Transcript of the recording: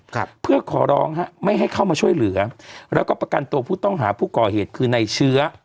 ครับเพื่อขอร้องฮะไม่ให้เข้ามาช่วยเหลือแล้วก็ประกันตัวผู้ต้องหาผู้ก่อเหตุคือในเชื้อ